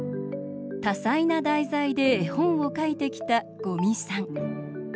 多彩な題材で絵本を描いてきた五味さん。